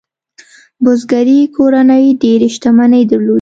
بزګري کورنۍ ډېرې شتمنۍ درلودې.